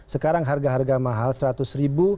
sekarang harga harga mahal seratus ribu